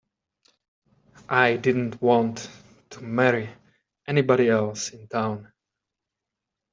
I didn't want to marry anybody else in town.